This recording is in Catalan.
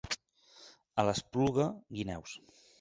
A l'Espluga, guineus.